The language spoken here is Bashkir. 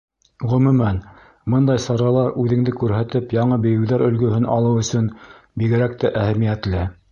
Ғөмүмән, бындай саралар үҙеңде күрһәтеп яңы бейеүҙәр өлгөһөн алыу өсөн бигерәк тә әһәмиәтле.